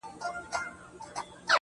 د لوط د قوم د سچيدو به درته څه ووايم~